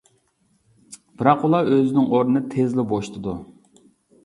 بىراق ئۇلار ئۆزىنىڭ ئورنىنى تېزلا بوشىتىدۇ.